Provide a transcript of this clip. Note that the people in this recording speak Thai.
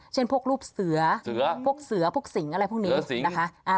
เช่นพวกรูปเสือพวกเสือพวกสิงอะไรพวกนี้นะคะ